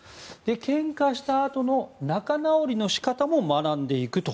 けんかしたあとの仲直りの仕方も学んでいくと。